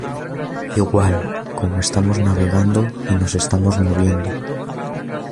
igual, como estamos navegando y nos estamos moviendo